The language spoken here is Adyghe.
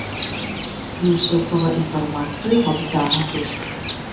Уиушъэфыгъэ информацие гъэпытагъэ хъущт.